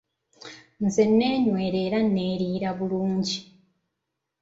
Nze nga neenywera era neeriira bulungi?